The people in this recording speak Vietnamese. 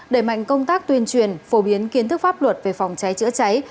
đẩy mạnh công tác tuyên truyền phổ biến kiến thức pháp luật về phòng cháy chữa cháy